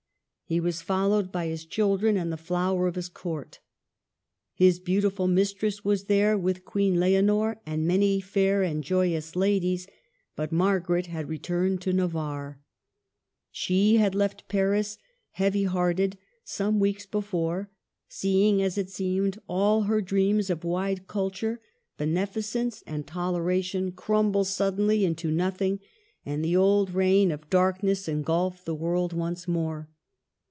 He was followed by his children and the flower of his Court. His beautiful mistress was there, with Queen Leonor and many fair and joyous ladies ; but Margaret had returned to Navarre. She had left Paris, heavy hearted, some weeks before, seeing, as it seemed, all her dreams of wide culture, beneficence, and toleration crumble suddenly into nothing, and the old reign of ISO MARGARET OF ANGOULEME. Darkness engulf the world once more.